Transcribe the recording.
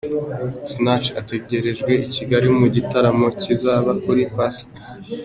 Sinach ategerejwe i Kigali mu gitaramo kizaba kuri Pasika.